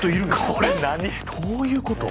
これ何⁉どういうこと？